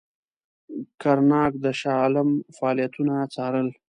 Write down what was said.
کرناک د شاه عالم فعالیتونه څارل.